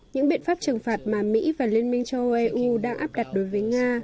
những biện pháp trừng phạt mà mỹ và liên minh châu âu eu đang áp đặt đối với nga